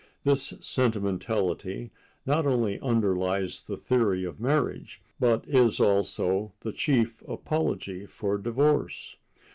This sentimentality not only underlies the theory of marriage, but is also the chief apology for divorce.